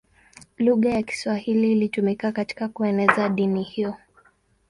Lugha ya Kiswahili ilitumika katika kueneza dini hiyo.